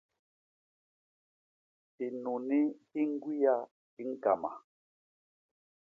Hinuni hi ñgwia i ñkama.